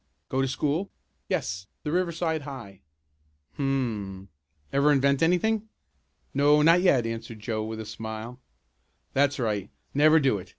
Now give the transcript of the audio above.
Go to school?" "Yes, the Riverside High." "Hum! Ever invent anything?" "No, not yet," answered Joe with a smile. "That's right never do it.